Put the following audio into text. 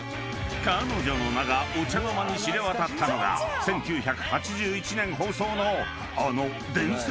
［彼女の名がお茶の間に知れ渡ったのが１９８１年放送のあの伝説的お笑い番組］